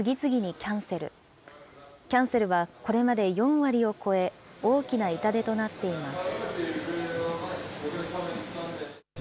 キャンセルはこれまで４割を超え、大きな痛手となっています。